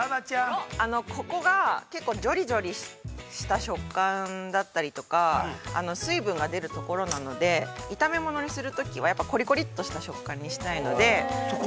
◆ここがジョリジョリした食感だったりとか、水分が出るところなので、炒め物にするときは、やっぱりコリコリっとした食感にしたいので。